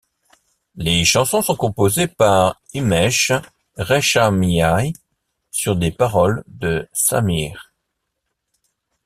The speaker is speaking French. Les chansons sont composées par Himesh Reshammiya sur des paroles de Sameer.